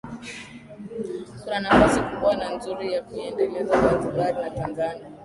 Kuna nafasi kubwa na nzuri ya kuiendeleza Zanzibar na Tanzania